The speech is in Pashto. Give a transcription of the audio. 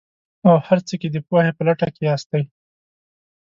او هر څه کې د پوهې په لټه کې ياستئ.